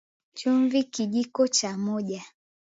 Chumvi Kijiko cha moja